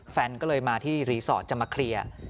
แฟนก็เลยมาที่รีสอร์ทจะมาเคลียร์